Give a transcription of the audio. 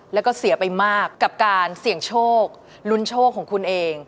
แล้วก็เสียไปมากกับการเสี่ยงโชคลุ้นโชคของคุณเอง